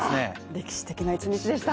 歴史的な一日でした。